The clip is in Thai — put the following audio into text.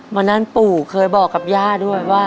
วันนั้นปู่เคยบอกกับย่าด้วยว่า